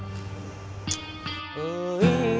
jangan ada perang